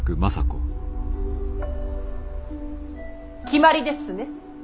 決まりですね。